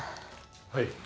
はい。